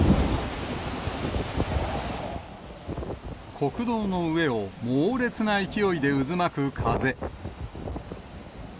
国道の上を猛烈な勢いで渦巻く風。